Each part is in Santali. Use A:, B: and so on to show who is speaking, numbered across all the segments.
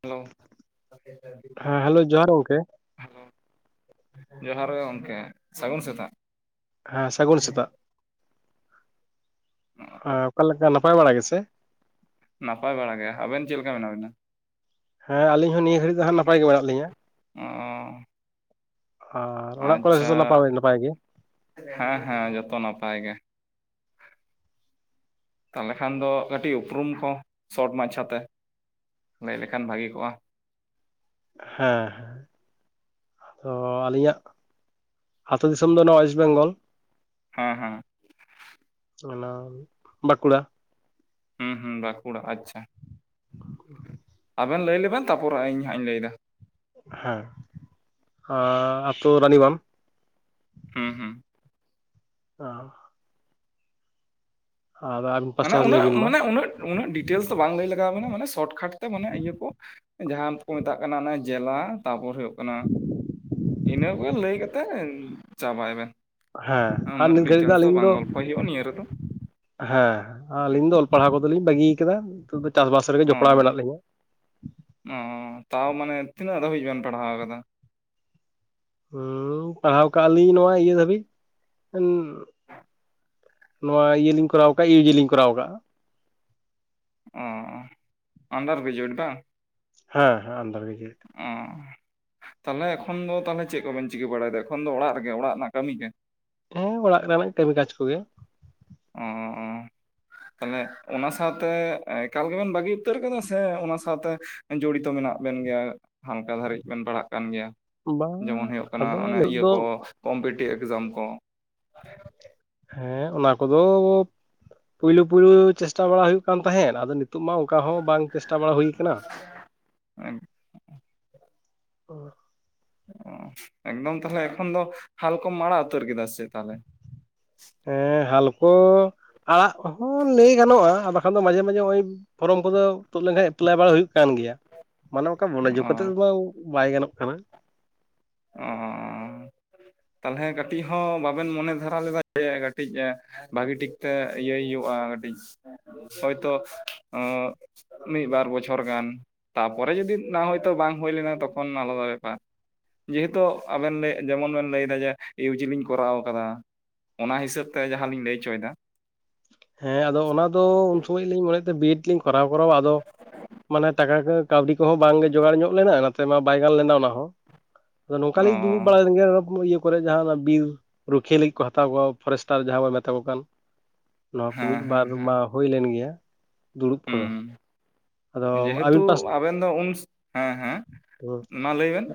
A: ᱦᱮᱞᱳ ᱟ [unintelligible]
B: ᱦᱮᱸ ᱦᱮᱞᱳ ᱡᱚᱦᱟᱨ ᱜᱚᱝᱠᱮ᱾
A: ᱦᱮᱞᱳ, ᱡᱚᱦᱟᱨ ᱜᱮ ᱜᱚᱝᱠᱮ ᱥᱟᱹᱜᱩᱱ ᱥᱮᱛᱟᱜ᱾
B: ᱦᱮᱸ ᱥᱟᱹᱜᱩᱱ ᱥᱮᱛᱟᱜ᱾ ᱚᱠᱟᱞᱮᱠᱟ ᱱᱟᱯᱟᱭ ᱵᱟᱲᱟ ᱜᱮᱥᱮ
A: ᱱᱟᱯᱟᱭ ᱵᱟᱲᱟ ᱜᱮᱭᱟ ᱟᱵᱮᱱ ᱪᱮᱫ ᱞᱮᱠᱟ ᱢᱮᱱᱟᱜ ᱵᱮᱱᱟ
B: ᱦᱮᱸ ᱟᱹᱞᱤᱧ ᱦᱚᱸ ᱱᱤᱭᱟᱹ ᱜᱷᱟᱹᱲᱤᱡ ᱫᱚ ᱦᱟᱸᱜ ᱱᱟᱯᱟᱭ ᱜᱮ ᱢᱮᱱᱟᱜ ᱞᱤᱧᱟᱹ
A: ᱚ
B: ᱟᱨ ᱚᱲᱟᱜ ᱠᱚᱨᱮ
A: ᱟᱪᱪᱷᱟ
B: ᱦᱚᱸ ᱱᱟᱯᱟᱭ ᱱᱟᱯᱟᱭ ᱜᱮ ᱦᱮᱸ
A: ᱦᱮᱸ ᱦᱮᱸ ᱡᱚᱛᱚ ᱱᱟᱯᱟᱭ ᱜᱮ ᱛᱟᱦᱚᱞᱮ ᱠᱷᱟᱱ ᱫᱚ ᱠᱟᱹᱴᱤᱡ ᱩᱯᱨᱩᱢ ᱠᱚ ᱥᱚᱴ ᱢᱟᱪᱷᱟ ᱛᱮ ᱞᱟᱹᱭ ᱞᱮᱠᱷᱟᱱ ᱵᱷᱟᱹᱜᱤ ᱠᱚᱜᱼᱟ
B: ᱦᱮᱸ ᱦᱮᱸ ᱛᱚ ᱟᱹᱞᱤᱧᱟᱜ ᱟᱹᱛᱳ ᱫᱤᱥᱚᱢ ᱫᱚ ᱱᱚᱣᱟ ᱚᱳᱭᱮᱥᱴ ᱵᱮᱝᱜᱚᱞ
A: ᱦᱮᱸ ᱦᱮᱸ
B: ᱚᱱᱟ ᱵᱟᱸᱠᱩᱲᱟ
A: ᱦᱩᱸ ᱦᱩᱸ ᱵᱟᱸᱠᱩᱲᱟ ᱟᱪᱪᱷᱟ ᱟᱵᱮᱱ ᱞᱟᱹᱭ ᱞᱮᱵᱮᱱ ᱛᱟᱯᱚᱨ ᱤᱧ ᱦᱟᱸᱜ ᱤᱧ ᱞᱟᱹᱭ ᱮᱫᱟ
B: ᱦᱮᱸ ᱟᱹᱛᱳ ᱨᱟᱱᱤᱵᱟᱱ
A: ᱦᱩᱸ ᱦᱩᱸ
B: ᱚ [unintelligible]
A: ᱢᱟᱱᱮ ᱩᱱᱟᱹᱜ
B: ᱵᱤᱱ ᱢᱟ
A: ᱢᱟᱱᱮ ᱩᱱᱟᱹᱜ ᱩᱱᱟᱹᱜ ᱰᱤᱴᱮᱞᱥ ᱫᱚ ᱵᱟᱝ ᱞᱟᱹᱭ ᱞᱟᱜᱟᱣᱟᱵᱮᱱᱟ ᱢᱟᱱᱮ ᱥᱚᱨᱴᱠᱟᱴ ᱛᱮ ᱢᱟᱱᱮ ᱤᱭᱟᱹ ᱠᱚ ᱡᱟᱦᱟᱸ ᱠᱚ ᱢᱮᱛᱟᱜ ᱠᱟᱱᱟ ᱡᱮᱞᱟ ᱛᱟᱯᱚᱨᱮ ᱦᱩᱭᱩᱜ ᱤᱱᱟᱹ ᱠᱚᱜᱮ ᱞᱟᱹᱭ ᱠᱟᱛᱮᱫ ᱪᱟᱵᱟᱭ ᱵᱮᱱ
B: ᱦᱮᱸ ᱟᱨ
A: ᱩᱱᱟᱹᱜ
B: ᱱᱤᱛ ᱜᱷᱟᱹᱲᱤᱡ
A: ᱰᱤᱴᱮᱞᱥ ᱫᱚ
B: ᱟᱹᱞᱤᱧ
A: ᱵᱟᱝ ᱜᱚᱞᱯᱚ ᱦᱩᱭᱩᱜᱼᱟ ᱱᱤᱭᱟᱹ ᱨᱮᱫᱚ
B: ᱦᱮᱸ ᱟᱹᱞᱤᱧ ᱫᱚ ᱚᱞ ᱯᱟᱲᱦᱟᱣ ᱠᱚᱫᱚᱞᱤᱧ ᱵᱟᱹᱜᱤᱭᱟ ᱟᱠᱟᱫᱟ ᱱᱤᱛᱚᱜ ᱫᱚ ᱪᱟᱥᱵᱟᱥ ᱨᱮᱜᱮ
A: ᱚ
B: ᱡᱚᱯᱲᱟᱣ ᱢᱮᱱᱟᱜ ᱞᱤᱧᱟ
A: ᱚ ᱛᱟᱣ ᱢᱟᱱᱮ ᱛᱤᱱᱟᱹᱜ ᱫᱷᱟᱹᱵᱤᱡ ᱵᱮᱱ ᱯᱟᱲᱦᱟᱣ ᱟᱠᱟᱫᱟ
B: ᱦᱮᱸ ᱯᱟᱲᱦᱟᱣ ᱠᱟᱜᱼᱟ ᱞᱤᱧ ᱱᱚᱣᱟ ᱤᱭᱟᱹ ᱫᱷᱟᱹᱵᱤᱡ ᱱᱚᱣᱟ ᱤᱭᱟᱹᱞᱤᱧ ᱠᱚᱨᱟᱣ ᱠᱟᱜᱼᱟ ᱤᱭᱩᱡᱤ ᱞᱤᱧ ᱠᱚᱨᱟᱣ ᱠᱟᱜᱼᱟ
A: ᱚ ᱟᱱᱰᱟᱨ ᱜᱨᱮᱡᱩᱩᱭᱮᱴ ᱵᱟᱝ
B: ᱦᱮᱸ ᱦᱮᱸ ᱟᱱᱰᱟᱨ ᱜᱮᱡᱩᱭᱮᱴ
A: ᱚ ᱛᱟᱦᱚᱞᱮ ᱮᱠᱷᱚᱱ ᱫᱚ ᱛᱟᱦᱚᱞᱮ ᱪᱮᱫ ᱠᱚᱵᱮᱱ ᱪᱤᱠᱟᱹ ᱵᱟᱲᱟᱭᱫᱟ? ᱮᱠᱷᱚᱱ ᱫᱚ ᱚᱲᱟᱜ ᱨᱮᱜᱮ ᱚᱲᱟᱜ ᱨᱮᱱᱟᱜ ᱠᱟᱹᱢᱤ ᱜᱮ?
B: ᱦᱮᱸ ᱚᱲᱟᱜ ᱨᱮᱱᱟᱜ ᱠᱟᱹᱢᱤ ᱠᱟᱡ ᱠᱚᱜᱮ᱾
A: ᱚᱸᱻᱚᱸᱻ᱾ ᱛᱟᱞᱦᱮ ᱚᱱᱟ ᱥᱟᱶᱛᱮ ᱮᱠᱟᱞ ᱜᱮᱵᱮᱱ ᱵᱟᱹᱜᱤ ᱩᱛᱟᱹᱨ ᱠᱟᱫᱟ ᱥᱮ ᱚᱱᱟ ᱥᱟᱶᱛᱮ? ᱡᱚᱲᱤᱛᱚ ᱢᱮᱱᱟᱜ ᱵᱮᱱ ᱜᱮᱭᱟ ᱦᱟᱞᱠᱟ ᱫᱷᱟᱹᱨᱤᱡ ᱵᱮᱱ ᱯᱟᱲᱦᱟᱜ ᱠᱟᱱ ᱜᱮᱭᱟ?
B: ᱵᱟᱝ
A: ᱡᱮᱢᱚᱱ ᱦᱳᱭᱳᱜ ᱠᱟᱱᱟ
B: ᱟᱫᱚ
A: ᱚᱱᱮ
B: ᱱᱤᱛᱚᱜ
A: ᱤᱭᱟᱹ
B: ᱫᱚ
A: ᱠᱚ, ᱠᱚᱢᱯᱤᱴᱤ ᱮᱠᱡᱟᱢ ᱠᱚ?
B: ᱦᱮᱸ ᱚᱱᱟ ᱠᱚᱫᱚ ᱯᱳᱭᱞᱳ ᱯᱩᱭᱞᱩ ᱪᱮᱥᱴᱟ ᱵᱟᱲᱟ ᱦᱩᱭᱩᱜ ᱠᱟᱱ ᱛᱟᱦᱮᱸᱫ ᱟᱫᱚ᱾ ᱱᱤᱛᱳᱜ ᱢᱟ ᱚᱱᱠᱟ ᱦᱚᱸ ᱵᱟᱝ ᱪᱮᱥᱴᱟ ᱵᱟᱲᱟ ᱦᱩᱭ ᱠᱟᱱᱟ᱾ ᱚᱸᱻ᱾
A: ᱚ ᱮᱠᱫᱚᱢ ᱛᱟᱦᱚᱞᱮ ᱮᱠᱷᱚᱱ ᱫᱚ ᱦᱟᱞᱠᱢ ᱟᱲᱟᱜ ᱩᱛᱟᱹᱨ ᱠᱮᱫᱟ ᱥᱮ ᱛᱟᱦᱚᱞᱮ?
B: ᱦᱮᱸ ᱦᱟᱞᱠᱚ ᱟᱲᱟᱜ ᱦᱚᱸ ᱞᱟᱹᱭ ᱜᱟᱱᱚᱜ-ᱟ᱾ ᱵᱟᱠᱷᱟᱱ ᱫᱚ ᱢᱟᱡᱷᱮ ᱢᱟᱡᱷᱮ ᱦᱚᱜᱼᱚᱭ᱾ ᱯᱷᱚᱨᱚᱢ ᱠᱚᱫᱚ ᱛᱩᱫ ᱞᱮᱱᱠᱷᱟᱡ ᱮᱯᱞᱟᱭ ᱵᱟᱲᱟ ᱦᱩᱭᱩᱜ ᱠᱟᱱ ᱜᱮᱭᱟ᱾ ᱢᱟᱱᱮ ᱚᱱᱠᱟ ᱢᱚᱱᱮᱡᱳᱜ ᱠᱟᱛᱮᱜ
A: ᱚ
B: ᱫᱚ ᱵᱟᱭ ᱜᱟᱱᱚᱜ ᱠᱟᱱᱟ᱾
A: ᱚᱸᱻᱚᱻ᱾ ᱛᱟᱞᱦᱮ ᱠᱟᱹᱴᱤᱡ ᱦᱚᱸ ᱵᱟᱵᱮᱱ ᱢᱚᱱᱮ ᱫᱷᱟᱨᱟ ᱞᱮᱫᱟ ᱡᱮ, ᱠᱟᱹᱴᱤᱡ ᱵᱷᱟᱹᱜᱤ ᱴᱷᱤᱠ ᱛᱮ ᱤᱭᱟᱹᱭ ᱦᱩᱭᱩᱜ-ᱟ? ᱠᱟᱹᱴᱤᱡ ᱦᱚᱭᱛᱚ ᱟᱸᱻ᱾ ᱢᱤᱫ ᱵᱟᱨ ᱵᱚᱪᱷᱚᱨ ᱜᱟᱱ, ᱛᱟᱯᱚᱨᱮ ᱡᱚᱫᱤ ᱚᱱᱟ ᱦᱚᱭᱛᱳ ᱵᱟᱝ ᱦᱩᱭᱞᱮᱱᱟ ᱛᱚᱠᱷᱚᱱ ᱟᱞᱟᱫᱟ ᱵᱮᱯᱟᱨ? ᱡᱮᱦᱮᱛᱩ ᱟᱵᱮᱱ ᱡᱮᱢᱚᱱ ᱵᱮᱱ ᱞᱟᱹᱭ ᱫᱟ ᱡᱮ ᱤᱭᱩ ᱡᱤ ᱞᱤᱧ ᱠᱚᱨᱟᱣ ᱠᱟᱫᱟ ᱾ ᱚᱱᱟ ᱦᱤᱥᱟᱹᱵ ᱛᱮ ᱡᱟᱸᱦᱟᱸ ᱞᱤᱧ ᱞᱟᱹᱭ ᱚᱪᱚᱭᱫᱟ᱾
B: ᱦᱮᱸ ᱟᱫᱚ ᱚᱱᱟᱫᱚ ᱩᱱ ᱥᱚᱢᱚᱭ ᱞᱤᱧ ᱢᱚᱱᱮ ᱛᱟᱸᱦᱮ ᱵᱤ ᱮᱰ ᱞᱤᱧ ᱠᱚᱨᱟᱣ ᱠᱚᱨᱟᱣᱼᱟ ᱟᱫᱚ ᱢᱟᱱᱮ ᱴᱟᱠᱟ ᱠᱚ ᱠᱟᱹᱣᱰᱤ ᱠᱚᱦᱚᱸ ᱵᱟᱝᱜᱮ ᱡᱚᱜᱟᱲ ᱧᱚᱜ ᱞᱮᱱᱟ᱾ ᱚᱱᱟ ᱛᱮᱢᱟ ᱵᱟᱭ ᱜᱟᱱ ᱞᱮᱱᱟ ᱚᱱᱟ ᱦᱚᱸ ᱟᱫᱚ
A: ᱚ
B: ᱱᱚᱝᱠᱟᱞᱤᱧ ᱫᱩᱲᱩᱵ ᱵᱟᱲᱟᱭᱮᱱ ᱜᱮ ᱠᱚᱨᱮ ᱡᱟᱦᱟᱸ ᱵᱤᱨ ᱨᱩᱠᱷᱤᱭᱟᱹ ᱞᱟᱹᱜᱤᱫ ᱠᱚ ᱦᱟᱛᱟᱣ ᱠᱚᱣᱟ, ᱯᱷᱚᱨᱮᱥᱴᱟᱨ ᱡᱟᱦᱟᱸ ᱵᱚᱱ ᱢᱮᱛᱟ ᱠᱚ ᱠᱟᱱ᱾ ᱱᱚᱣᱟ ᱠᱚ
A: ᱦᱮᱸ
B: ᱢᱤᱫ
A: ᱦᱮᱸ
B: ᱵᱟᱨ
A: ᱦᱮᱸ
B: ᱢᱟ ᱦᱩᱭᱞᱮᱱ ᱜᱮᱭᱟ ᱫᱩᱲᱩᱵ ᱠᱚᱫᱚ᱾ ᱟᱫᱚ
A: ᱡᱮᱦᱮᱛᱩ
B: ᱟᱹᱵᱤᱱ ᱯᱟᱥ
A: ᱟᱵᱮᱱ ᱫᱚ ᱩᱱ ᱦᱮᱸ ᱦᱮᱸ ᱢᱟ ᱞᱟᱹᱭ ᱵᱮᱱ?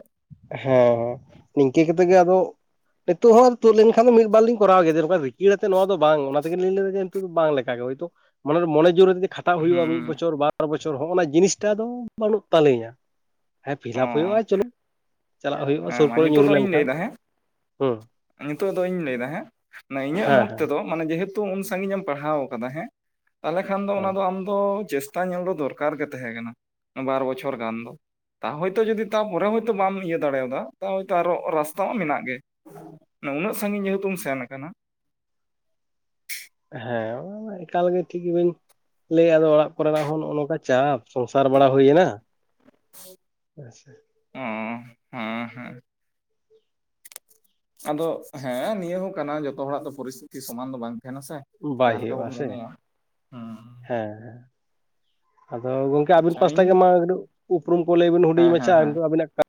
B: ᱦᱮᱸᱻ ᱦᱮᱸᱻ ᱱᱤᱝᱠᱟᱹ ᱠᱟᱛᱮᱜ ᱜᱮ ᱟᱫᱚ᱾ ᱱᱤᱛᱚᱜ ᱦᱚᱸ ᱛᱩᱫ ᱞᱮᱱᱠᱷᱟᱱ ᱫᱚ ᱢᱤᱫ ᱵᱟᱨ ᱞᱤᱧ ᱠᱚᱨᱟᱣ ᱜᱮᱭᱟ᱾ ᱱᱚᱝᱠᱟ ᱨᱤᱠᱤᱲ ᱟᱛᱮᱜ ᱱᱚᱣᱟ ᱫᱚ ᱵᱟᱝ ᱚᱱᱟ ᱛᱮᱜᱮ ᱞᱟᱹᱭᱫᱟ ᱡᱮ ᱱᱤᱛᱚᱜ ᱫᱚ ᱵᱟᱝ ᱞᱮ ᱞᱮᱠᱟᱜᱮ ᱦᱳᱭᱛᱳ ᱢᱟᱱᱮ ᱢᱚᱱ ᱡᱳᱨᱮ ᱡᱤ ᱠᱷᱟ ᱠᱷᱴᱟᱜ ᱦᱩᱭᱩᱜ-ᱟ ᱢᱤᱫ
A: ᱦᱩᱸ
B: ᱵᱚᱪᱷᱚᱨ ᱵᱟᱨ ᱵᱚᱪᱷᱚᱨ, ᱦᱚᱜ-ᱚᱱᱟ ᱡᱤᱱᱤᱥᱴᱟ ᱫᱚ ᱵᱟᱹᱱᱩᱜ ᱛᱟᱹᱟᱞᱤᱧᱟ᱾ ᱦᱮᱸ
A: ᱚ
B: ᱯᱷᱤᱞᱟᱯ ᱦᱩᱭᱩᱜ-ᱟ ᱪᱚᱞᱚ, ᱪᱟᱞᱟᱜ ᱦᱳᱭᱳᱜ-ᱟ
A: ᱦᱮᱸ
B: ᱥᱩᱨ
A: ᱢᱟ
B: ᱠᱚᱨᱮ
A: ᱱᱤᱛᱚᱜ
B: ᱧᱩᱨᱩ
A: ᱫᱚ ᱤᱧ
B: ᱞᱮᱱᱠᱷᱟᱱ
A: ᱞᱟᱹᱭᱫᱟ ᱦᱮᱸ
B: ᱦᱩᱸ
A: ᱱᱤᱛᱚᱜ ᱫᱚᱧ ᱞᱟᱹᱭ ᱫᱟ ᱦᱮᱸ ᱤᱧᱟᱹᱜ
B: ᱦᱮᱸ
A: ᱢᱚᱛ
B: ᱦᱮᱸ
A: ᱛᱮᱫᱚ ᱢᱟᱱᱮ ᱡᱮᱦᱮᱛᱩ ᱩᱱ ᱥᱟᱹᱜᱤᱧ ᱮᱢ ᱯᱟᱲᱦᱟᱣ ᱠᱟᱫᱟ ᱦᱮᱸ ᱛᱟᱦᱚᱞᱮ ᱠᱷᱟᱱ ᱫᱚ ᱚᱱᱟ ᱫᱚ
B: ᱦᱮᱸ
A: ᱟᱢᱫᱚ ᱪᱮᱥᱴᱟ ᱧᱮᱞ ᱫᱚ ᱫᱚᱨᱠᱟᱨ ᱜᱮ ᱛᱟᱦᱮᱸ ᱠᱟᱱᱟ ᱵᱟᱨ ᱵᱚᱪᱷᱚᱨ ᱜᱟᱱ ᱫᱚ᱾ ᱛᱟ ᱦᱚᱭᱛᱳ ᱡᱚᱫᱤ ᱛᱟᱨᱯᱚᱨᱮ ᱦᱚᱭᱛᱚ ᱵᱟᱢ ᱤᱭᱟᱹ ᱫᱟᱲᱮᱭᱟᱫᱟ ᱛᱟ ᱦᱚᱭᱛᱚ ᱟᱨᱚ ᱨᱟᱥᱛᱟ ᱦᱚᱸ ᱢᱮᱱᱟᱜ ᱜᱮ᱾ ᱩᱱᱟᱹᱜ ᱥᱟᱺᱜᱤᱧ ᱡᱮᱦᱮᱛᱩᱢ ᱥᱮᱱ ᱠᱟᱱᱟ᱾
B: ᱦᱮᱸ ᱮᱠᱟᱞᱜᱮ ᱴᱷᱤᱠ ᱜᱮ ᱵᱤᱱ ᱞᱟᱹᱭᱟ, ᱟᱫᱚ ᱚᱲᱟᱜ ᱠᱚᱨᱮᱱᱟᱜ ᱦᱚᱸ ᱱᱚᱜ-ᱚ ᱱᱚᱝᱠᱟ ᱪᱟᱯ᱾ ᱥᱚᱝᱥᱟᱨ ᱵᱟᱲᱟ ᱦᱩᱭᱮᱱᱟ᱾
A: ᱚᱸᱻ ᱦᱮᱸᱻ ᱦᱮᱸᱻ᱾ ᱟᱫᱚ ᱦᱮᱸ ᱱᱤᱭᱟᱹ ᱦᱚᱸ ᱠᱟᱱᱟ ᱡᱚᱛᱚ ᱦᱚᱲᱟᱜ ᱫᱚ ᱯᱚᱨᱤᱥᱛᱷᱤᱛᱤ ᱥᱚᱢᱟᱱ ᱫᱚ ᱵᱟᱝ ᱛᱟᱦᱮᱸᱱᱟ ᱥᱮ᱾
B: ᱵᱟᱭ
A: ᱡᱟᱦᱟᱸ ᱞᱮᱠᱟ
B: ᱦᱩᱭᱩᱜᱼᱟ,
A: ᱵᱚᱱ
B: ᱥᱮ ᱦᱮᱸᱻ
A: ᱢᱚᱱᱮᱭᱟ ᱦᱮᱸ
B: ᱦᱮᱸᱻ᱾ ᱟᱫᱚ ᱜᱚᱝᱠᱮ ᱟᱹᱵᱤᱱ
A: ᱟᱪᱪᱷᱟ
B: ᱯᱟᱥᱴᱟ
A: ᱤᱧ
B: ᱜᱮᱢᱟ, ᱩᱯᱨᱩᱢ ᱠᱚ ᱞᱟᱹᱭ ᱵᱤᱱ ᱦᱩᱰᱤᱧ
A: ᱦᱮᱸ ᱦᱮᱸ
B: ᱢᱟᱪᱷᱟ
A: ᱦᱮᱸ
B: ᱟᱵᱤᱱᱟᱜ ᱠᱟ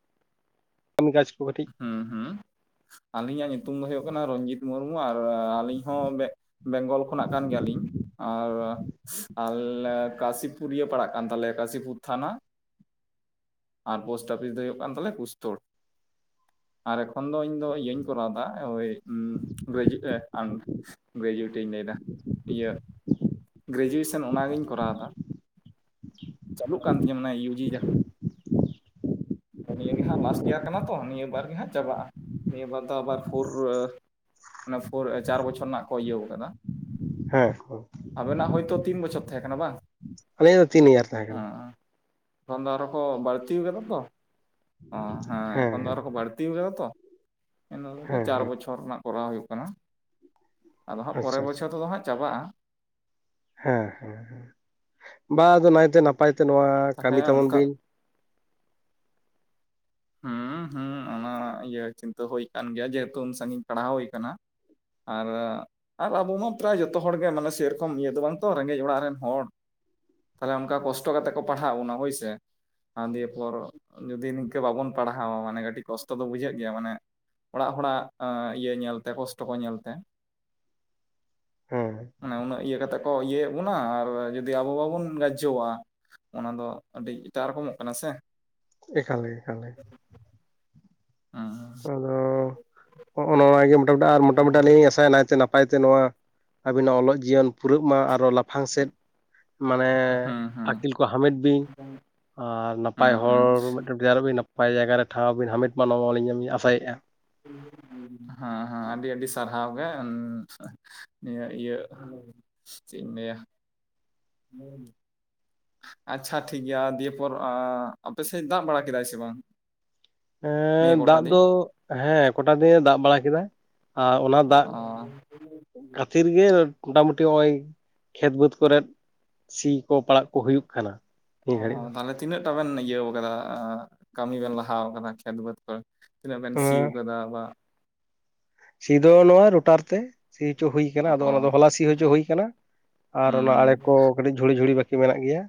B: ᱠᱟᱹᱢᱤ ᱠᱟᱡᱽ ᱠᱚ ᱠᱟᱹᱴᱤᱡ
A: ᱦᱩᱸᱻ ᱦᱩᱸᱻ ᱟᱹᱞᱤᱧᱟᱜ ᱧᱩᱛᱩᱢ ᱫᱚ ᱦᱳᱭᱳᱜ ᱠᱟᱱᱟ ᱨᱚᱱᱡᱤᱛ ᱢᱩᱨᱢᱩ᱾ ᱟᱨ ᱟᱹᱞᱤᱧ ᱦᱚᱸ ᱵᱮᱝᱜᱚᱞ ᱠᱷᱚᱱᱟᱜ ᱠᱟᱱ ᱜᱮᱭᱟᱞᱤᱧ᱾ ᱟᱨ ᱟᱞᱮ ᱠᱟᱥᱤᱯᱩᱨ ᱤᱭᱟᱹ ᱯᱟᱲᱟᱜ ᱠᱟᱱ ᱛᱟᱞᱮᱭᱟ ᱠᱟᱥᱤᱯᱩᱨ ᱛᱷᱟᱱᱟ᱾ ᱟᱨ ᱯᱳᱥᱴ ᱚᱯᱷᱤᱥ ᱫᱚ ᱦᱩᱭᱩᱜ ᱠᱟᱱ ᱛᱟᱞᱮᱭᱟ ᱯᱩᱥᱛᱳᱲ ᱟᱨ ᱮᱠᱷᱚᱱ ᱫᱚ ᱤᱧ ᱤᱭᱟᱹᱧ ᱠᱚᱨᱟᱣᱫᱟ ᱳᱭ ᱜᱮᱡᱩᱮᱴ ᱟᱱ ᱜᱨᱮᱡᱩᱭᱮᱴ ᱤᱧ ᱞᱟᱭ ᱫᱟ ᱤᱭᱟᱹ ᱜᱨᱮᱡᱩᱭᱮᱥᱮᱱ ᱚᱱᱟᱜᱤᱧ ᱠᱚᱨᱟᱣᱫᱟ ᱪᱟᱹᱞᱩᱜ ᱠᱟᱱ ᱛᱤᱧᱟᱹ ᱚᱱᱟ ᱤᱭᱩᱡᱤ ᱡᱟᱦᱟᱸ ᱱᱤᱭᱟᱹ ᱜᱮ ᱦᱟᱸᱜ ᱞᱟᱥᱴ ᱤᱭᱟᱨ ᱠᱟᱱᱟ ᱛᱚ ᱱᱤᱭᱟᱹ ᱵᱟᱨ ᱜᱮ ᱦᱟᱸᱜ ᱪᱟᱵᱟᱜᱼᱟ᱾ ᱱᱤᱭᱟᱹ ᱵᱟᱨ ᱫᱚ ᱟᱵᱟᱨ ᱯᱷᱳᱨ ᱚᱱᱟ ᱯᱷᱳᱨ ᱪᱟᱨ ᱵᱚᱪᱷᱚᱨ ᱨᱮᱱᱟᱜ ᱠᱚ ᱤᱭᱟᱹᱣ ᱠᱟᱫᱟ᱾
B: ᱦᱮᱸ
A: ᱟᱵᱮᱱᱟᱜ ᱦᱳᱭᱛᱚ ᱛᱤᱱ ᱵᱚᱪᱷᱚᱨ ᱛᱮᱦᱮᱸ ᱠᱟᱱᱟ ᱵᱟᱝ?
B: ᱟᱞᱤᱧ ᱫᱚ ᱛᱤᱱ ᱤᱭᱟᱨ ᱛᱟᱦᱮ ᱠᱟᱱᱟ
A: ᱦᱮᱸ ᱮᱠᱷᱚᱱ ᱫᱚ ᱟᱨᱚ ᱠᱚ ᱵᱟᱹᱲᱛᱤ ᱟᱠᱟᱫᱟ ᱛᱚ ᱦᱮᱸ ᱮᱠᱷᱚᱱ ᱫᱚ ᱟᱨᱚᱠᱚ ᱵᱟᱹᱲᱛᱤ ᱟᱠᱟᱫᱟ ᱛᱚ ᱤᱱᱟ ᱫᱚ
B: ᱦᱮᱸ
A: ᱪᱟᱨ
B: ᱦᱮᱸ
A: ᱵᱚᱪᱷᱚᱨ ᱨᱮᱱᱟᱜ ᱠᱚᱨᱟᱣ ᱦᱩᱭᱩᱜ ᱠᱟᱱᱟ ᱟᱫᱚ ᱦᱟᱸᱜ ᱯᱚᱨᱮᱨᱮ
B: ᱟᱪᱪᱷᱟ ᱟᱪᱪᱷᱟ
A: ᱵᱚᱪᱷᱚᱨ ᱛᱮᱫᱚ ᱦᱟᱸᱜ ᱪᱟᱵᱟᱜ-ᱟ
B: ᱦᱮᱸ ᱦᱮ ᱦᱮᱸ ᱵᱟ ᱟᱫᱚ ᱱᱟᱭᱛᱮ ᱱᱟᱯᱟᱭ ᱛᱮ ᱱᱚᱣᱟ
A: ᱛᱟᱦᱚᱞᱮ
B: ᱠᱟᱹᱢᱤ ᱛᱟᱵᱚᱱ
A: ᱚᱱᱠᱟ
B: ᱵᱤᱱ
A: ᱦᱩᱸ ᱦᱩᱸ ᱚᱱᱟ ᱤᱭᱟᱹ ᱪᱤᱱᱛᱟᱹ ᱦᱩᱭ ᱟᱠᱟᱱ ᱜᱮᱭᱟ ᱡᱮᱦᱮᱛᱩ ᱩᱱ ᱥᱟᱺᱜᱤᱧ ᱯᱟᱲᱦᱟᱣ ᱦᱩᱭ ᱟᱠᱟᱱᱟ ᱟᱨ ᱟᱨ ᱟᱵᱚ ᱢᱟ ᱯᱨᱟᱭ ᱡᱚᱛᱚ ᱦᱚᱲᱜᱮ ᱢᱟᱱᱮ ᱥᱮᱨᱚᱠᱚᱢ ᱤᱭᱟᱹ ᱫᱚ ᱵᱟᱝ ᱛᱚ ᱨᱮᱸᱜᱮᱡ ᱚᱲᱟᱜ ᱨᱮᱱ ᱦᱚᱲ ᱛᱟᱦᱚᱞᱮ ᱚᱱᱠᱟ ᱠᱚᱥᱴᱚ ᱠᱟᱛᱮᱜ ᱠᱚ ᱯᱟᱲᱦᱟᱜ ᱵᱚᱱᱟ ᱦᱳᱭᱥᱮ ᱟᱨ ᱫᱤᱭᱮ ᱯᱚᱨ ᱡᱩᱫᱤ ᱱᱤᱝ ᱮ ᱵᱟᱵᱚᱱ ᱯᱟᱲᱦᱟᱣᱟ ᱢᱟᱱᱮ ᱠᱟᱹᱴᱤᱡ ᱠᱚᱴᱚ ᱫᱚ ᱵᱩᱡᱷᱟᱹᱜ ᱜᱮᱭᱟ ᱢᱟᱱᱮ ᱚᱲᱟᱜ ᱦᱚᱲᱟᱜ ᱤᱭᱟᱹ ᱧᱮᱞ ᱛᱮ ᱠᱚᱥᱴᱚ ᱠᱚ ᱧᱮᱞ ᱛᱮ
B: ᱦᱮᱸ
A: ᱢᱟᱱᱮ ᱩᱱᱟᱹᱜ ᱤᱭᱟᱹ ᱠᱟᱛᱮ ᱠᱚ ᱤᱭᱟᱹᱭᱮᱜ ᱵᱚᱱᱟ ᱟᱨ ᱡᱩᱫᱤ ᱟᱵᱚ ᱵᱟᱵᱚᱱ ᱜᱟᱡᱡᱚᱼᱟ ᱚᱱᱟ ᱫᱚ ᱟᱹᱰᱤ ᱮᱴᱟᱜ ᱨᱚᱠᱚᱢᱚᱜ ᱠᱟᱱᱟ ᱥᱮ ᱾
B: ᱮᱠᱟᱞᱮ ᱜᱮ ᱮᱠᱟᱞᱮ ᱜᱮ
A: ᱦᱩᱸ
B: ᱱᱚᱜᱼᱱᱚᱣᱟ ᱜᱮ ᱢᱚᱴᱟᱢᱩᱴᱤ ᱟᱨ ᱢᱚᱴᱟᱢᱩᱴᱤ ᱟᱹᱞᱤᱧ ᱟᱥᱟᱭ ᱱᱟᱭᱛᱮ ᱱᱟᱯᱟᱭᱛᱮ ᱱᱚᱣᱟ ᱾ ᱟᱵᱤᱱᱟᱜ ᱚᱞᱚᱜ ᱡᱤᱭᱚᱱ ᱯᱩᱨᱟᱹᱜ ᱢᱟ ᱟᱨᱚ ᱞᱟᱯᱷᱟᱝ ᱥᱮᱫ ᱢᱟᱱᱮ
A: ᱦᱩᱸ ᱦᱩᱸ
B: ᱟᱹᱠᱤᱞ ᱠᱚ ᱦᱟᱢᱮᱴ ᱵᱤᱱ ᱟᱨ ᱱᱟᱯᱟᱭ
A: ᱦᱩᱸ
B: ᱦᱚᱲ
A: ᱦᱩᱸ
B: ᱢᱤᱫᱴᱮᱱ ᱛᱮᱭᱟᱨᱵᱤᱱ ᱱᱟᱯᱟᱭ ᱡᱟᱭᱜᱟ ᱨᱮ ᱴᱷᱟᱶ ᱵᱤᱱ ᱦᱟᱢᱮᱴ ᱢᱟ ᱱᱚᱣᱟ ᱟᱞᱤᱧ ᱞᱤᱧ ᱟᱥᱟᱭᱮᱜᱼᱟ ᱾
A: [inaudible] ᱦᱮᱸ ᱦᱮᱸ ᱟᱹᱰᱤ ᱟᱹᱰᱤ ᱥᱟᱨᱦᱟᱣ ᱜᱮ ᱱᱤᱭᱟᱹ ᱤᱭᱟᱹ ᱪᱮᱜ ᱤᱧ ᱞᱟᱹᱭᱟ [inaudible] ᱟᱪᱪᱷᱟ ᱴᱷᱤᱠᱜᱮᱭᱟ ᱫᱤᱭᱮ ᱯᱚᱨ ᱟᱯᱮᱥᱮᱫ ᱫᱟᱜ ᱵᱟᱲᱟ ᱠᱮᱫᱟᱭ ᱥᱮ ᱵᱟᱝ ᱱᱤᱭᱟᱹ ᱜᱚᱴᱟ
B: ᱫᱟᱜ
A: ᱫᱤᱱ
B: ᱫᱚ ᱦᱮᱸ ᱠᱚᱴᱟ ᱫᱤᱱᱮ ᱫᱟᱜ ᱵᱟᱲᱟ ᱠᱮᱫᱟ ᱾ ᱟᱨ ᱚᱱᱟ ᱫᱟᱜ
A: ᱚ
B: ᱠᱷᱟᱹᱛᱤᱨ ᱜᱮ ᱢᱚᱴᱟᱢᱩᱴᱤ ᱱᱚᱜ-ᱚᱭ ᱠᱷᱮᱛ ᱵᱟᱹᱫᱽ ᱠᱚᱨᱮᱫ ᱥᱤ ᱠᱚ ᱯᱟᱲᱟᱜ ᱠᱚ ᱦᱩᱭᱩᱜ ᱠᱟᱱᱟ
A: ᱚ
B: ᱱᱤᱭᱟᱹ ᱜᱷᱟᱹᱲᱤᱡ ᱫᱚ
A: ᱛᱟᱦᱞᱮ ᱛᱤᱱᱟᱹᱜ ᱴᱟ ᱵᱮᱱ ᱤᱭᱟᱹ ᱠᱟᱫᱟ ᱠᱟᱹᱢᱤ ᱵᱮᱱ ᱞᱟᱦᱟᱣ ᱠᱟᱫᱟ ᱠᱷᱮᱛ ᱵᱟᱹᱫᱽ ᱠᱚᱨᱮ ᱛᱤᱱᱟᱹᱜ ᱵᱮᱱ
B: ᱮᱸ
A: ᱥᱤᱭᱩᱠᱟᱫᱟ ᱵᱟ
B: ᱥᱤ ᱫᱚ ᱱᱚᱣᱟ ᱨᱳᱴᱟᱨ ᱛᱮ ᱥᱤ ᱦᱚᱪᱚ ᱦᱩᱭ ᱠᱟᱱᱟ
A: ᱚ
B: ᱟᱫᱚ ᱚᱱᱟ ᱫᱚ ᱦᱚᱞᱟ ᱥᱤ ᱦᱚᱪᱚ ᱦᱩᱭ ᱠᱟᱱᱟ ᱟᱨ ᱚᱱᱟ ᱟᱲᱮ
A: ᱦᱩᱸ
B: ᱠᱚ ᱠᱟᱹᱴᱤᱡ ᱾ ᱡᱷᱩᱲᱤ ᱡᱷᱩᱲᱤ ᱵᱟᱹᱠᱤ ᱢᱮᱱᱟᱜ ᱜᱮᱭᱟ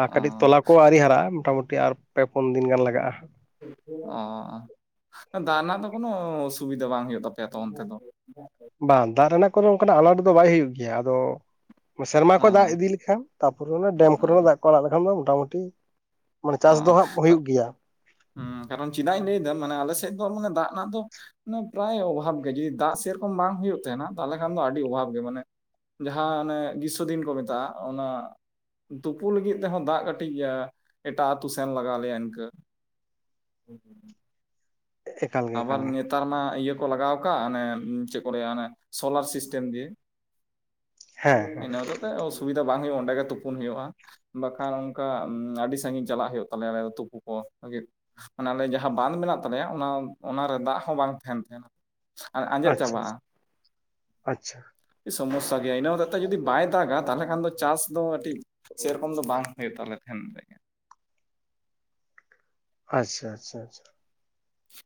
B: ᱟᱨ ᱠᱟᱹᱴᱤᱡ
A: ᱚ
B: ᱛᱚᱞᱟ ᱠᱚ ᱟᱹᱣᱨᱤ ᱦᱟᱨᱟᱜᱼᱟ ᱢᱚᱴᱟᱢᱩᱴᱤ ᱟᱨ ᱯᱮ ᱯᱩᱱ ᱫᱤᱱ ᱜᱟᱱ ᱞᱟᱜᱟᱜᱼᱟ ᱾
A: ᱚ ᱫᱟᱜᱱᱟ ᱫᱚ ᱠᱳᱱᱳ ᱚᱥᱩᱵᱤᱫᱷᱟ ᱵᱟᱝ ᱦᱩᱭᱩᱜ ᱛᱟᱯᱮᱭᱟ ᱛᱚ ᱚᱱᱛᱮ ᱫᱚ ᱾ [inaudible]
B: ᱵᱟᱝ ᱫᱟᱜ ᱨᱮᱱᱟᱜ ᱠᱳᱱᱳ ᱚᱱᱠᱟᱱᱟᱜ ᱟᱱᱟᱴ ᱫᱚ ᱵᱟᱭ ᱦᱩᱭᱩᱜ ᱜᱮᱭᱟ ᱟᱫᱚ ᱥᱮᱨᱢᱟ ᱠᱷᱚᱱ ᱫᱟᱜ
A: ᱚᱸ
B: ᱤᱫᱤ ᱠᱷᱟᱱ ᱛᱟᱯᱚᱨᱮ ᱚᱱᱟ ᱰᱮᱢ ᱠᱚᱨᱮ ᱫᱟᱜ ᱠᱚ ᱟᱲᱟᱜ ᱞᱮᱠᱷᱟᱱ ᱫᱚ ᱢᱚᱴᱟᱢᱩᱴᱤ ᱾
A: ᱠᱟᱨᱚᱱ ᱪᱤᱫᱟᱧ ᱞᱟᱹᱭᱫᱟ ᱢᱟᱱᱮ ᱟᱞᱮ ᱥᱮᱫ ᱫᱚ ᱚᱱᱮᱢ ᱫᱟᱜ ᱨᱮᱱᱟᱜ ᱫᱚ ᱯᱨᱟᱭ ᱚᱵᱷᱟᱵᱽ ᱜᱮ ᱡᱩᱫᱤ ᱫᱟᱜ ᱥᱮᱨᱚᱠᱚᱢ ᱵᱟᱝ ᱦᱩᱭᱩᱜ ᱛᱟᱦᱮᱱᱟ ᱛᱟᱞᱦᱮ ᱠᱷᱟᱱ ᱫᱚ ᱟᱹᱰᱤ ᱚᱵᱷᱟᱵᱽ ᱜᱮ ᱢᱟᱱᱮ ᱾ ᱡᱟᱦᱟᱸ ᱚᱱᱮ ᱜᱤᱥᱥᱚ ᱫᱤᱱ ᱠᱚ ᱢᱮᱛᱟᱜᱼᱟ ᱚᱱᱟ ᱛᱩᱯᱩ ᱞᱟᱹᱜᱤᱫ ᱛᱮᱦᱚᱸ ᱫᱟᱜ ᱠᱟᱹᱴᱤᱡ ᱜᱮᱭᱟ ᱮᱴᱟᱜ ᱟᱹᱛᱩ ᱥᱮᱱ ᱞᱟᱜᱟᱣ ᱞᱮᱭᱟ ᱤᱱᱠᱟᱹ ᱾ [inaudible]
B: ᱮᱠᱟᱞ ᱜᱮ
A: ᱟᱵᱟᱨ
B: ᱮᱠᱟᱞ ᱜᱮ
A: ᱱᱮᱛᱟᱨ ᱢᱟ ᱤᱭᱟᱹ ᱠᱚ ᱞᱟᱜᱟᱣ ᱠᱟᱜ ᱚᱱᱮ ᱪᱮᱫ ᱠᱚ ᱞᱟᱹᱭᱟ ᱚᱱᱮ ᱥᱳᱞᱟᱨ ᱥᱤᱥᱴᱮᱢ ᱜᱤ
B: ᱦᱮᱸ ᱦᱮᱸ
A: ᱤᱱᱟᱹ ᱦᱚᱛᱮᱜ ᱛᱮ ᱚᱥᱩᱵᱤᱫᱟ ᱵᱟᱝ ᱦᱩᱭᱩᱜᱼᱟ ᱚᱸᱰᱮ ᱜᱮ ᱛᱩᱯᱩᱱ ᱦᱩᱭᱩᱜᱼᱟ ᱾ ᱵᱟᱠᱷᱟᱱ ᱚᱱᱠᱟ ᱟᱹᱰᱤ ᱥᱟᱺᱜᱤᱧ ᱪᱟᱞᱟᱜ ᱦᱩᱭᱩᱜ ᱛᱟᱞᱮᱭᱟ ᱟᱞᱮ ᱛᱩᱯᱩ ᱠᱚ ᱞᱟᱜᱩᱫ ᱢᱟᱱᱮ ᱟᱞᱮ ᱡᱟᱦᱟᱸ ᱵᱟᱸᱱᱫᱷ ᱢᱮᱱᱟᱜ ᱛᱟᱞᱮᱭᱟ ᱚᱱᱟ ᱚᱱᱟᱨᱮ ᱫᱟᱜ ᱦᱚᱸ ᱵᱟᱝ ᱛᱟᱦᱮᱸᱱ ᱛᱟᱦᱮᱸᱱᱟ ᱟᱨ ᱟᱸᱡᱮᱫ
B: ᱟᱪᱪᱷᱟ
A: ᱪᱟᱵᱟᱜᱼᱟ ᱾
B: ᱟᱪᱪᱷᱟ
A: ᱥᱚᱢᱚᱥᱥᱟ ᱜᱮᱭᱟ ᱤᱱᱟᱹ ᱦᱚᱛᱮᱡ ᱛᱮ ᱡᱩᱫᱤ ᱵᱟᱭ ᱫᱟᱜᱟ ᱛᱟᱞᱦᱮ ᱠᱷᱟᱱ ᱫᱚ ᱪᱟᱥ ᱫᱚ ᱴᱤᱡ ᱥᱮ ᱨᱚᱠᱚᱢ ᱫᱚ ᱵᱟᱝ ᱦᱩᱭᱩᱜ ᱛᱟᱞᱮ ᱛᱟᱦᱮᱸᱱ ᱾
B: ᱟᱪᱪᱷᱟ ᱟᱪᱪᱷᱟ ᱟᱪᱪᱷᱟ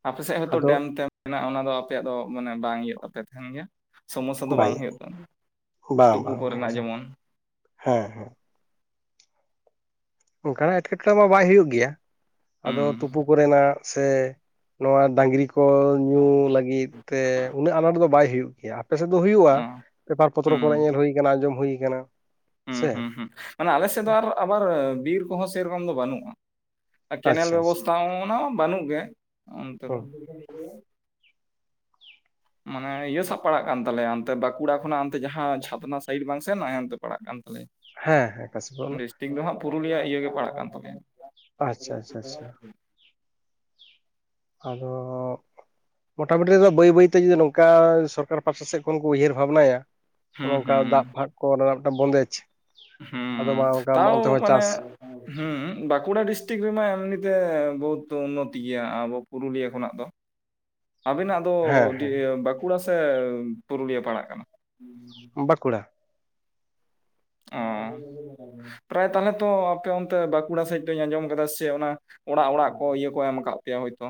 A: ᱟᱯᱮᱥᱮᱱ ᱦᱚᱛᱚᱜ
B: ᱟᱫᱚ
A: ᱰᱮᱢ ᱛᱮᱱ ᱢᱮᱱᱟᱜᱼᱟ ᱚᱱᱟ ᱫᱚ ᱟᱯᱮᱭᱟᱜ ᱫᱚ ᱢᱟᱱᱮ ᱵᱟᱝ ᱤᱭᱟᱹ ᱛᱟᱯᱮ ᱛᱟᱦᱮᱱ ᱜᱮᱭᱟ ᱾ ᱥᱚᱢᱚᱥᱥᱟ ᱫᱚ
B: ᱵᱟᱭ
A: ᱵᱟᱝ ᱦᱩᱭᱩᱜ ᱛᱟᱢᱟ
B: ᱵᱟᱝ
A: ᱛᱩᱯᱩ
B: ᱵᱟᱝ
A: ᱠᱚᱨᱮᱱᱟᱜ ᱡᱮᱢᱚᱱ
B: ᱦᱮᱸ ᱦᱮᱸ ᱚᱱᱠᱟᱱᱟᱜ ᱮᱴᱠᱮᱴᱬᱮ ᱢᱟ ᱵᱟᱭ ᱦᱩᱭᱩᱜ ᱜᱮᱭᱟ ᱟᱫᱚ
A: ᱦᱩᱸ
B: ᱛᱩᱯᱩ ᱠᱚᱨᱮᱱᱟᱜ ᱾ ᱥᱮ ᱱᱚᱶᱟ ᱰᱟᱝᱨᱤᱠ ᱠᱚ ᱧᱩ ᱞᱟᱹᱜᱤᱫ ᱛᱮ ᱩᱱᱟᱹᱜ ᱟᱱᱟᱴ ᱫᱚ ᱵᱟᱭ ᱦᱩᱭᱩᱜ ᱜᱮᱭᱟ ᱾ ᱟᱯᱮᱥᱮᱫ ᱫᱚ
A: ᱚ
B: ᱦᱩᱭᱩᱜᱼᱟ ᱯᱮᱯᱟᱨ ᱯᱚᱛᱨᱚ
A: ᱦᱩᱸ
B: ᱠᱚᱨᱮ ᱧᱮᱞ ᱦᱩᱭ ᱟᱠᱟᱱᱟ ᱟᱸᱡᱚᱢ ᱦᱩᱭ ᱟᱠᱟᱱᱟ ᱾
A: ᱦᱩᱸ ᱦᱩᱸ ᱦᱩᱸ ᱢᱟᱱᱮ ᱟᱞᱮ ᱥᱮᱫ ᱫᱚ ᱟᱫᱳ ᱟᱵᱟᱨ ᱵᱤᱨ ᱠᱚᱦᱚᱸ ᱥᱮ ᱨᱚᱠᱚᱢ ᱫᱚ ᱵᱟᱹᱱᱩᱜᱼᱟ ᱾ ᱟᱨ ᱠᱮᱱᱮᱞ
B: ᱟᱪᱪᱷᱟ ᱟᱪᱪᱷᱟ
A: ᱵᱮᱵᱚᱥᱛᱷᱟ ᱦᱚᱸ ᱚᱱᱟ ᱦᱚᱸ ᱵᱟᱹᱱᱩᱜ ᱜᱮ ᱚᱱᱛᱮ ᱫᱚ ᱾ [unintelligible] ᱢᱟᱱᱮ ᱤᱭᱟᱹ ᱥᱟᱣᱵ ᱯᱲᱟᱜ ᱠᱟᱱ ᱛᱟᱞᱮᱭᱟ ᱛᱮ ᱵᱟᱸᱠᱩᱲᱟ ᱠᱷᱚᱱᱟᱜ ᱚᱱᱛᱮ ᱡᱟᱦᱟᱸ ᱪᱷᱟᱛᱱᱟ ᱥᱟᱭᱤᱰ ᱵᱟᱝ ᱥᱮᱱ ᱮᱱᱟ, ᱚᱱᱛᱮ ᱯᱟᱲᱟᱜ ᱠᱟᱱ ᱛᱟᱞᱮᱭᱟ
B: ᱦᱮᱸ ᱦᱮᱸ ᱠᱟᱥᱤ ᱵᱩᱞ....
A: ᱴᱷᱤᱠ ᱫᱚ ᱦᱟᱸᱜ ᱯᱩᱨᱩᱞᱤᱭᱟᱹ ᱤᱭᱟᱹ ᱜᱮ ᱯᱟᱲᱟᱜ ᱠᱟᱱ ᱛᱟᱦᱞᱮᱭᱟ
B: ᱟᱪᱪᱷᱟ ᱟᱪᱪᱷᱟ ᱟᱪᱪᱷᱟ ᱟᱫᱳ.... ᱢᱚᱴᱟᱢᱩᱴᱤ ᱨᱮ ᱫᱳ ᱵᱟᱹᱭ ᱵᱟᱹᱭᱛᱮ ᱡᱩᱫᱤ ᱱᱚᱝᱠᱟ ᱥᱚᱨᱠᱟᱨ ᱯᱟᱥᱴᱟ ᱥᱮᱫ ᱠᱷᱚᱱ ᱠᱚ ᱩᱭᱦᱟᱹᱨ ᱵᱷᱟᱵᱽᱱᱟᱭᱟ ᱚᱱ
A: ᱦᱩᱸ
B: ᱚᱱᱠᱟ
A: ᱦᱩᱸ
B: ᱫᱟᱜ ᱯᱷᱟᱜ ᱠᱚ ᱚᱱᱟ ᱨᱮᱱᱟᱜ ᱢᱤᱫᱴᱟᱝ ᱵᱚᱱᱫᱮᱡᱽ ᱟᱫᱚ
A: ᱦᱩᱸ
B: ᱢᱟ ᱚᱱᱠᱟ
A: ᱛᱟᱣ
B: ᱚᱱᱛᱮ ᱦᱚᱸ
A: ᱢᱟᱱᱮ
B: ᱪᱟᱥ
A: ᱦᱮᱸ ᱵᱟᱸᱠᱩᱲᱟ ᱰᱤᱥᱴᱤᱠᱴ ᱨᱮᱢᱟ ᱱᱤᱛᱮ ᱵᱚᱦᱩᱛ ᱩᱱᱚᱛ ᱜᱮᱭᱟ ᱟᱵᱩ ᱯᱩᱨᱩᱞᱤᱭᱟᱹ ᱠᱷᱚᱱᱟᱜ ᱫᱚ ᱟᱵᱤᱱᱟᱜ..... ᱫᱚ
B: ᱦᱮᱸ
A: ᱰᱤ.. ᱮ.. ᱵᱟᱸᱠᱩᱲᱟ ᱥᱮ ᱯᱩᱨᱩᱞᱤᱭᱟᱹ ᱯᱟᱲᱟᱜ ᱠᱟᱱᱟ?
B: ᱵᱟᱸᱠᱩᱲᱟ
A: ᱚ ᱯᱨᱟᱭ ᱛᱟᱦᱚᱞᱮ ᱛᱚ ᱟᱯᱮ ᱚᱱᱛᱮ ᱵᱟᱸᱠᱩᱲᱟ ᱥᱮᱫ ᱛᱚᱧ ᱟᱸᱡᱚᱢ ᱟᱠᱟᱫᱟ ᱥᱮ ᱚᱱᱟ ᱚᱲᱟᱜ ᱚᱲᱟᱜ ᱠᱚ ᱤᱭᱟᱹ ᱠᱚ ᱮᱢ ᱟᱠᱫ ᱯᱮᱭᱟ ᱦᱳᱭᱛᱳ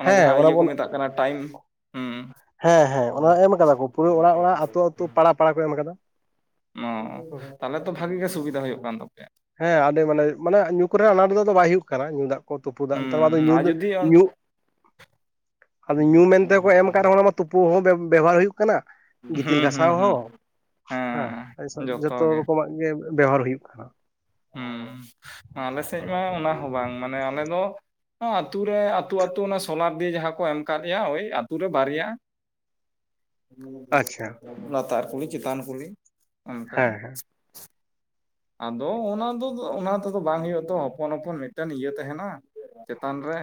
A: ᱚᱱᱟ
B: ᱦᱮᱸ
A: ᱡᱟᱦᱟᱸ ᱤᱭᱟᱹ ᱠᱚ
B: ᱵᱚᱱ
A: ᱢᱮᱛᱟᱜ ᱠᱟᱱᱟ ᱴᱟᱭᱤᱢ ᱦᱸᱩ
B: ᱦᱮᱸ ᱦᱮᱸ ᱚᱱᱟ ᱮᱢ ᱟᱠᱟᱫᱟ ᱠᱚ ᱯᱩᱨᱟᱹ ᱚᱲᱟᱜ ᱚᱲᱟᱜ ᱟᱹᱛᱩ ᱟᱹᱛᱩ ᱯᱟᱲᱟ ᱯᱟᱲᱟ ᱠᱚ ᱮᱢ ᱟᱠᱟᱫᱟ
A: ᱚᱸᱻ ᱛᱟᱦᱚᱞᱮ ᱛᱚ ᱵᱷᱟᱜᱤ ᱜᱮ ᱥᱩᱵᱤᱫᱷᱟ ᱦᱩᱭᱩᱜ ᱠᱟᱱ ᱛᱟᱯᱮᱭᱟ
B: ᱦᱮᱸ ᱟᱹᱰᱤ ᱢᱟᱱᱮ, ᱢᱟᱱᱮ ᱧᱩ ᱠᱚᱨᱮᱱᱟᱜ ᱟᱱᱟᱴ ᱫᱟᱜ ᱫᱚ ᱵᱟᱭ ᱦᱩᱭᱩᱜ ᱠᱟᱱᱟ ᱧᱩ ᱫᱟᱜ ᱠᱳ ᱛᱩᱯᱩ ᱫᱟᱜ ᱱᱮᱛᱟᱨ ᱫᱚ ᱟᱫᱚ
A: ᱦᱩᱸ ᱟᱨ
B: ᱧᱩᱫᱽ
A: ᱡᱩᱫᱤ ᱦᱩᱸ
B: ᱧᱩᱜ... [inaudible] ᱟᱫᱚ ᱧᱩ ᱢᱮᱱ ᱛᱮᱠᱳ ᱮᱢ ᱟ.... ᱠᱟ ᱨᱮᱦᱚᱸ ᱚᱱᱟ ᱢᱟ ᱛᱩᱯᱩ ᱦᱚᱸ ᱵᱮ... ᱵᱮᱣᱦᱟᱨ ᱦᱩᱭᱩᱜ ᱠᱟᱱᱟ ᱜᱤᱛᱤᱞ
A: ᱦᱩᱸ
B: ᱜᱷᱟᱥᱟᱣ
A: ᱦᱩᱸ
B: ᱦᱚᱸ ᱦᱮᱸ ᱟ. ᱭᱥᱟ. ᱡᱚᱛᱚ ᱨᱚᱠᱚᱢᱟᱜ ᱜᱮ ᱵᱮᱣᱦᱟᱨ ᱦᱩᱭᱩᱜ ᱠᱟᱱᱟ
A: ᱦᱩᱸ.... ᱟᱸᱞᱮᱥᱮᱫ ᱢᱟ ᱚᱱᱟ ᱦᱚᱸ ᱵᱟᱝ ᱢᱟᱱᱮ ᱟᱞᱮ ᱫᱚ ᱶᱟ ᱟᱛᱩ ᱨᱮ ᱟᱹᱛᱩ ᱟᱹᱛᱩ ᱚᱱᱟ ᱥᱳᱞᱟᱨ ᱫᱤᱭᱮ ᱡᱟᱦᱟᱸ ᱠᱚ ᱮᱢ ᱟᱠᱟᱫ ᱞᱮᱭᱟ ᱳᱭ ᱟ. ᱛᱩ ᱨᱮ ᱵᱟᱨᱭᱟ
B: ᱟᱪᱪᱷᱟ
A: [unintelligible] ᱞᱟᱛᱟᱨ ᱠᱩᱞᱦᱤ ᱪᱮᱛᱟᱱ ᱠᱩᱞᱦᱤ ᱚᱱᱠᱟ
B: ᱦᱮᱸ ᱦᱮᱸ
A: ᱟᱫᱚ ᱚᱱᱟ ᱫᱚ ᱫᱚ ᱚᱱᱟ ᱛᱮᱫᱚ ᱵᱟᱝ ᱦᱩᱭᱩᱜᱼᱟ ᱛᱚ ᱦᱚᱯᱚᱱ ᱦᱚᱯᱚᱱ ᱢᱤᱫᱴᱮᱱ ᱤᱭᱟᱹ ᱛᱟᱦᱮᱱᱟ ᱪᱮᱛᱟᱱ ᱨᱮ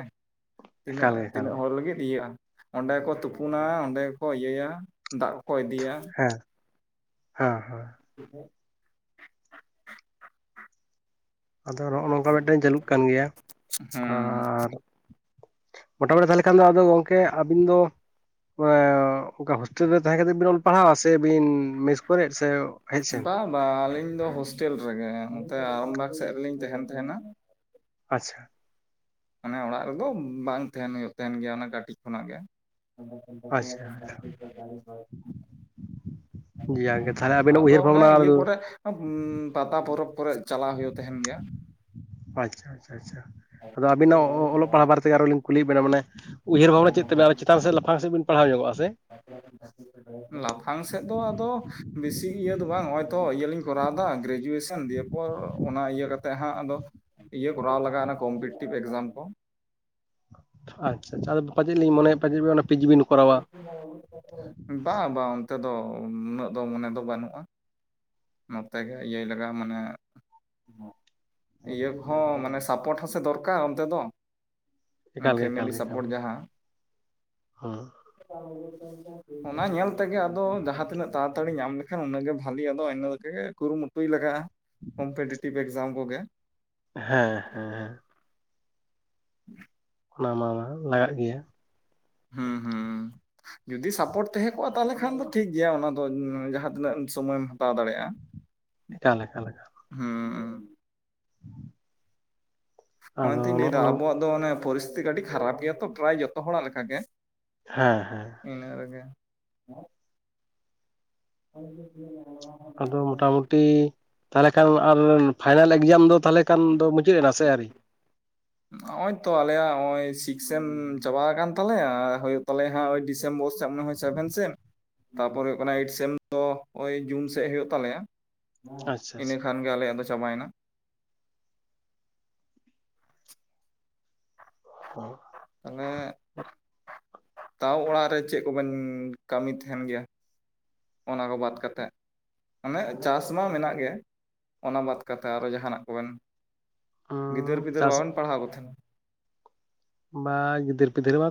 A: ᱛᱤᱱᱟᱹᱜ
B: ᱮᱠᱟᱞ ᱜᱮ ᱮᱠᱟᱞ
A: ᱛᱤᱱᱟᱹᱜ
B: ᱜᱮ
A: ᱦᱚᱲ ᱞᱟᱹᱜᱤᱫ ᱤᱭᱟᱜᱼᱟ ᱚᱸᱰᱮ ᱠᱚ ᱛᱩᱯᱩᱱᱟ ᱚᱸᱰᱮ ᱜᱮᱠᱚ ᱤᱭᱟᱹᱭᱟ ᱫᱟᱜ ᱠᱚ ᱤᱫᱤᱭᱟ
B: ᱦᱮᱸ... ᱦᱮᱸ ᱦᱮᱸ
A: [unintelligible]
B: ᱟᱫᱚ ᱱᱚᱜᱼᱚ ᱱᱚᱝᱠᱟ ᱢᱤᱫᱴᱮᱱ ᱪᱟᱹᱞᱩᱜ ᱠᱟᱱ ᱜᱮᱭᱟ
A: ᱦᱮᱸ
B: ᱟᱨ ᱢᱚᱴᱟᱟᱢᱩᱴᱤ ᱛᱟᱦᱚᱞᱮ ᱠᱷᱟᱱ ᱫᱚ ᱟᱫᱚ ᱜᱚᱢᱠᱮ ᱟᱹᱵᱤᱱ ᱫᱚ [unintelligible] ᱚᱱᱠᱟ ᱦᱳᱥᱴᱮᱞ ᱨᱮ ᱛᱟᱦᱮᱸ ᱠᱟᱛᱮᱜ ᱵᱤᱱ ᱚᱞ ᱯᱟᱲᱦᱟᱣᱟ ᱥᱮ ᱵᱤᱱ ᱢᱮᱥ ᱠᱚᱨᱮ ᱥᱮ ᱦᱮᱡ ᱥᱮᱱ
A: ᱵᱟᱝ ᱵᱟᱝ ᱟᱹᱞᱤᱧ ᱫᱚ ᱦᱳᱥᱴᱮᱞ ᱨᱮᱜᱮ ᱱᱚᱱᱚᱛᱮ ᱟᱨᱟᱢᱵᱟᱜᱽ ᱥᱮᱫ ᱨᱮ ᱞᱤᱧ ᱛᱟᱦᱮᱱ ᱛᱟᱦᱮᱱᱟ
B: ᱟᱪᱪᱷᱟ
A: ᱢᱟᱱᱮ ᱚᱲᱟᱜ ᱨᱮᱫᱚ ᱵᱟᱝ ᱛᱟᱦᱮᱱ ᱛᱟᱦᱮᱱ ᱜᱮᱭᱟ ᱚᱱᱟ ᱠᱟᱹᱴᱤᱡ ᱠᱷᱚᱱᱟᱜ ᱜᱮ
B: ᱟᱪᱪᱷᱟ
A: [unintelligible]
B: ᱡᱟᱜᱮ ᱛᱟᱦᱚᱞᱮ ᱟᱵᱤᱱᱟᱜ
A: ᱟᱫᱚ
B: ᱩᱭᱦᱟᱹᱨ
A: ᱚᱱᱮ
B: ᱵᱷᱟᱵᱽᱱᱟ
A: ᱤᱭᱟᱹ ᱠᱚᱨᱮ ᱯᱟᱛᱟ ᱯᱚᱨᱚᱵᱽ ᱠᱚᱨᱮ ᱪᱟᱞᱟᱣ ᱦᱩᱭᱩᱜ ᱛᱟᱦᱮᱱ ᱜᱮᱭᱟ
B: ᱟᱪᱪᱷᱟ ᱟᱪᱪᱷᱟ ᱟᱪᱪᱷᱟ ᱟᱫᱚ ᱟᱵᱤᱱᱟᱜ ᱚᱞᱚᱜ ᱯᱟᱲᱦᱟᱜ ᱵᱟᱨᱮ ᱛᱮ ᱟᱨᱚ ᱞᱤᱧ ᱠᱩᱞᱤᱭᱮᱫ ᱵᱤᱱᱟ ᱢᱟᱱᱮ ᱩᱭᱟᱹᱨ ᱵᱷᱟᱱᱟ ᱪᱮᱫ ᱛᱟᱵᱮᱱ ᱟᱨ ᱪᱮᱛᱟᱱ ᱥᱮᱫ ᱞᱟᱯᱷᱟᱝ ᱥᱮᱫ ᱵᱮᱱ ᱯᱟᱲᱦᱟᱣ ᱧᱚᱜᱼᱟ ᱥᱮ
A: ᱞᱟᱯᱷᱟᱝ ᱥᱮᱫ ᱫᱚ ᱟᱫᱚ ᱵᱮᱥᱤ ᱤᱭᱟᱹ ᱫᱚ ᱵᱟᱝ ᱱᱚᱜᱚᱭ ᱛᱚ ᱤᱭᱟᱹᱞᱤᱧ ᱠᱚᱨᱟᱣᱫᱟ ᱜᱨᱮᱡᱩᱭᱮᱥᱚᱱ ᱫᱤᱭᱮ ᱯᱚᱨ ᱚᱱᱟ ᱤᱭᱟᱹ ᱠᱟᱛᱮᱜ ᱦᱟᱸᱜ ᱟᱫᱚ ᱤᱭᱟᱹ ᱠᱚᱨᱟᱣ ᱞᱟᱜ-ᱟ ᱠᱚᱢᱯᱴᱤᱴᱤᱵᱷ ᱮᱠᱽᱡᱟᱢ ᱠᱚ
B: ᱟᱪᱪᱷᱟ ᱟᱷᱟ ᱟᱫᱚ ᱯᱟᱪᱮᱫ ᱞᱤᱧ ᱢᱚᱱᱮᱭᱟ ᱯᱟᱪᱮᱫ ᱚᱱᱟ ᱯᱤ ᱡᱤ ᱵᱤᱱ ᱠᱚᱨᱟᱣᱟ
A: ᱵᱟᱝ ᱵᱟᱝ ᱚᱱᱛᱮ ᱫᱚ ᱩᱱᱟᱹᱜ ᱫᱚ ᱢᱚᱱᱮ ᱫᱚ ᱵᱟᱹᱱᱩᱜᱼᱟ ᱱᱚᱛᱮ ᱜᱮ ᱤᱭᱟᱹᱭ ᱞᱟᱜᱼᱟ ᱢᱟᱱᱮ ᱤᱭᱟᱹ ᱠᱚᱦᱚᱸ ᱢᱟᱱᱮ ᱥᱟᱯᱳᱴ ᱦᱚᱸᱥᱮ ᱫᱚᱨᱠᱟᱨ ᱚᱱᱛᱮ ᱫᱚ
B: ᱮᱠᱟᱞ ᱜᱮ ᱮᱠᱟᱞ
A: ᱯᱷᱮᱢᱮᱞᱤ
B: ᱜᱮ ᱮᱠᱟᱞ
A: ᱥᱟᱯᱳᱨᱴ
B: ᱜᱮ
A: ᱡᱟᱦᱟᱸ
B: ᱦᱮᱸ
A: ᱚᱱᱟ ᱧᱮᱞ ᱛᱮᱜᱮ ᱟᱫᱚ ᱡᱟᱦᱟᱸ ᱛᱤᱱᱟᱹᱜ ᱛᱟᱲᱟᱛᱟᱲᱤ ᱧᱟᱢ ᱞᱮᱠᱷᱟᱱ ᱩᱱᱟᱹᱜᱮ ᱵᱷᱟᱞᱤ ᱟᱫᱚ ᱛᱮ ᱠᱩᱨᱩᱢᱩᱴᱩᱭ ᱞᱟᱜᱟᱜᱼᱟ ᱠᱚᱢᱯᱤᱴᱤᱴᱤᱵᱽ ᱮᱠᱡᱟᱢ ᱠᱚᱜᱮ
B: ᱦᱮᱸ ᱦᱮᱸ
A: [unintelligible]
B: ᱚᱱᱟ ᱢᱟ ᱞᱟᱜᱟᱜ ᱜᱮᱭᱟ
A: ᱦᱩᱸ ᱦᱩᱸ ᱡᱚᱫᱤ ᱥᱟᱯᱳᱨᱴ ᱛᱟᱦᱮᱸ ᱠᱚᱜᱼᱟ ᱛᱟᱦᱚᱞᱮ ᱠᱷᱟᱱ ᱫᱚ ᱴᱷᱤᱠ ᱜᱮᱭᱟ ᱚᱱᱟ ᱫᱚᱧ ᱡᱟᱦᱟᱸᱛᱤᱱᱟᱹᱜ ᱥᱚᱢᱚᱭᱮᱢ ᱦᱟᱛᱟᱣ ᱫᱟᱲᱮᱭᱟᱜᱼᱟ [inaudible]
B: ᱮᱠᱟᱞ ᱮᱠᱟᱞ ᱮᱠᱟᱞ
A: ᱦᱮᱸ
B: ᱟᱫᱚ
A: ᱚᱱᱟᱛᱤᱧ ᱞᱟᱹᱭ
B: ᱱᱚᱜᱼᱚ
A: ᱫᱟ
B: ᱱᱚ
A: ᱟᱵᱚᱣᱟᱜ ᱫᱚ ᱯᱚᱨᱤᱥ ᱛᱷᱤᱛᱤ ᱠᱟᱹᱴᱤᱡ ᱠᱷᱟᱨᱟᱯ ᱜᱮᱭᱟ ᱛᱚ ᱯᱨᱟᱭ ᱡᱚᱛᱚ ᱦᱚᱲᱟᱜ ᱞᱮᱠᱟ ᱜᱮ
B: ᱦᱮᱸ ᱦᱮᱸ
A: ᱤᱱᱟᱹᱜ ᱨᱮᱜᱮ [unintelligible]
B: ᱟᱫᱚ ᱢᱚᱴᱟ ᱢᱩᱴᱤ ᱛᱟᱦᱚᱞᱮ ᱠᱷᱟᱱ ᱟᱨ ᱯᱷᱟᱭᱱᱟᱞ ᱮᱠᱡᱟᱢ ᱫᱚ ᱛᱟᱦᱚᱞᱮ ᱠᱷᱟᱱ ᱫᱚ ᱢᱩᱪᱟᱹᱫ ᱮᱱᱟ ᱥᱮ ᱟᱹᱨᱤ
A: ᱱᱚᱜ ᱚᱭ ᱛᱚ ᱟᱞᱮᱭᱟᱜ ᱱᱚᱜ ᱚᱭ ᱥᱤᱠᱥᱮᱢ ᱪᱟᱵᱟ ᱟᱠᱟᱱ ᱛᱟᱞᱮᱭᱟ ᱟᱨ ᱦᱩᱭᱩᱜ ᱛᱟᱞᱮᱭᱟ ᱦᱟᱜ ᱰᱤᱥᱮᱢᱵᱚᱨ ᱥᱮᱫ ᱡᱚᱱᱮ ᱦᱚᱭ ᱥᱮᱵᱷᱮᱱ ᱥᱮᱢ ᱛᱟᱨᱯᱚᱨ ᱦᱩᱭᱩᱜ ᱠᱟᱱᱟ ᱮᱭᱤᱴ ᱥᱮᱢ ᱫᱚ ᱳᱭ ᱡᱩᱱ ᱥᱮᱜ ᱦᱩᱭᱩᱜ ᱛᱟᱞᱮᱭᱟ
B: ᱟᱪᱪᱷᱟ
A: ᱤᱱᱟᱹ
B: ᱟᱪᱪᱷᱟ
A: ᱠᱷᱟᱱ ᱜᱮ ᱟᱞᱮᱭᱟᱜ ᱫᱚ ᱪᱟᱵᱟᱭᱮᱱᱟ
B: [inaudible]
A: ᱛᱟᱦᱚᱞᱮ ᱛᱟᱣ ᱚᱲᱟᱜ ᱨᱮ ᱪᱮᱫ ᱠᱚᱵᱮᱱ ᱠᱟᱹᱢᱤ ᱛᱟᱦᱮᱱ ᱜᱮᱭᱟ ᱚᱱᱟ ᱠᱚ ᱵᱟᱫᱽ ᱠᱟᱛᱮᱫ ᱢᱟᱱᱮ ᱪᱟᱥ ᱢᱟ ᱢᱮᱱᱟᱜ ᱜᱮ ᱚᱱᱟ ᱵᱟᱫᱽ ᱠᱟᱛᱮ ᱟᱨᱚ ᱡᱟᱦᱟ ᱱᱟᱜ ᱠᱚᱵᱮᱱ
B: ᱦᱩᱸ
A: ᱜᱤᱫᱟᱹᱨ ᱯᱤᱫᱟᱹᱨ
B: ᱪᱟᱥ
A: ᱵᱟᱵᱮᱱ ᱯᱟᱲᱦᱟᱣ ᱠᱚ ᱛᱟᱦᱮᱱᱟ
B: ᱵᱟᱝ ᱜᱤᱫᱟᱹᱨ ᱯᱤᱫᱟᱹᱨ ᱢᱟ